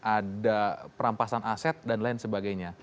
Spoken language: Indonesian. ada perampasan aset dan lain sebagainya